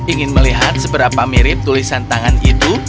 ingin melihat seberapa mirip tulisan tangan itu